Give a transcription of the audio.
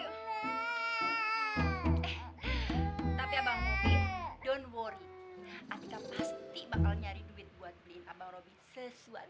eh tapi abang robby don't worry artika pasti bakal nyari duit buat beli abang robby sesuatu